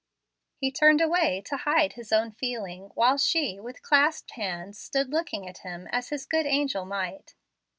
He turned away to hide his own feeling, while she, with clasped hands, stood looking at him, as his good angel might.